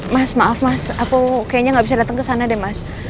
mas maaf mas aku kayaknya gak bisa datang ke sana deh mas